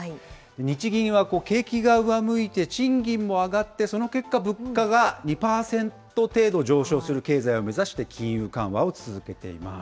日銀は景気が上向いて賃金も上がって、その結果、物価が２％程度上昇する経済を目指して金融緩和を続けています。